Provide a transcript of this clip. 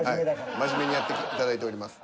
真面目にやっていただいております。